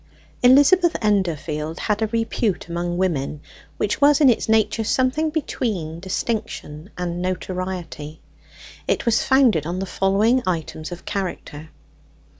Elizabeth Endorfield had a repute among women which was in its nature something between distinction and notoriety. It was founded on the following items of character.